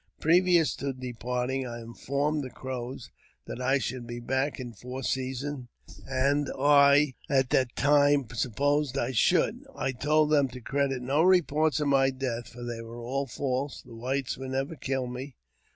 Previous to departing, I informed the Crows that I should be back in four seasons, as I at that time supposed I should. I told them to credit no reports of my death, for they were all false ; the whites would never kill me.